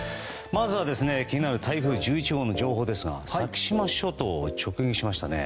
まずは気になる台風１１号の情報ですが先島諸島を直撃しましたね。